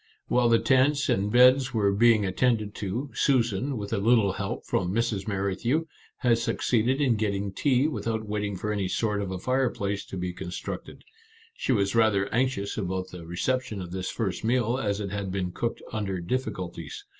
While the tents and beds were being attended to, Susan, with a little help from Mrs. Merrithew, had succeeded in getting tea without waiting for any sort of a fireplace to be constructed. She was rather anxious about the reception of this first meal, as it had been cooked under difficulties.